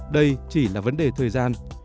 đây chỉ là vấn đề thời gian